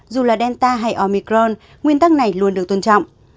dù là delta hay omicron nguyên tắc này luôn được tôn trọng